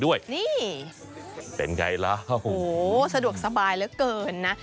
ด้วยนี่เป็นไงล่ะโอ้โหสะดวกสบายเหลือเกินนะ